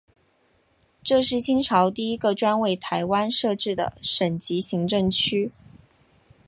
这是清朝第一个专为台湾设置的省级行政区。